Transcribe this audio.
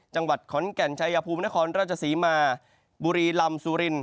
จังหวัดขอนแก่นชายภูมินครราชศรีมาบุรีลำสุริน